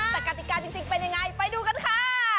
แต่กติกาจริงเป็นยังไงไปดูกันค่ะ